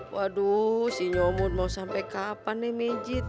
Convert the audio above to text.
waduh si nyomot mau sampai kapan nih mejit